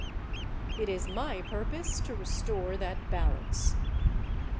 It is my purpose to restore that balance.